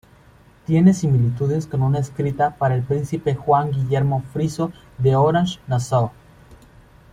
Tiene similitudes con una escrita para el príncipe Juan Guillermo Friso de Orange-Nassau.